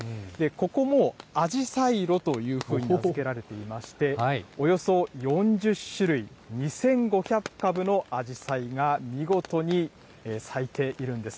ここもあじさい路というふうに名付けられていまして、およそ４０種類、２５００株のアジサイが見事に咲いているんです。